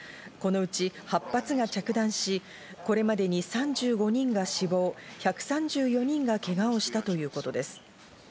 このうち８発が着弾し、これまでに３５人が死亡、１３４人がけがをしたということです。